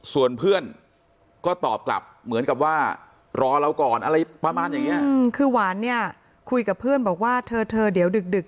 ส่วนเพื่อนก็ตอบกลับเหมือนกับว่ารอเราก่อนอะไรประมาณอย่างนี้คือหวานเนี่ยคุยกับเพื่อนบอกว่าเธอเธอเดี๋ยวดึกดึก